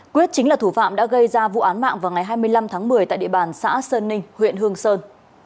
quyết chính là thủ phạm đã gây ra vụ án mạng vào ngày hai mươi năm tháng một mươi tại địa bàn xã sơn ninh huyện hương sơn